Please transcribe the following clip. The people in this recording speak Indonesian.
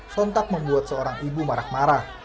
sontak membuat seorang ibu marah marah